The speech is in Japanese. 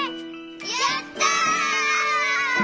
やった！